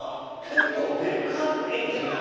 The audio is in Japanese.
結構でかいんですね。